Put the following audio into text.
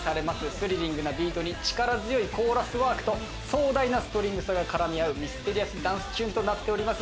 スリリングなビートに力強いコーラスワークと壮大なストリングスが絡み合うミステリアスダンスチューンとなっております。